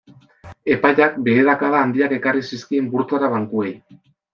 Epaiak beherakada handiak ekarri zizkien burtsara bankuei.